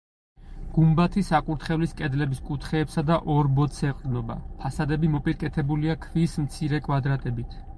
გუმბათი საკურთხევლის კედლების კუთხეებსა და ორ ბოძს ეყრდნობა, ფასადები მოპირკეთებულია ქვის მცირე კვადრატებით.